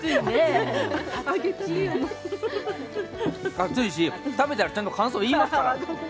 熱いし、食べたらちゃんと感想言いますから。